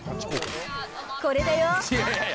これだよ。